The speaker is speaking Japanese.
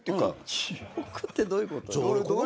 記憶ってどういうこと？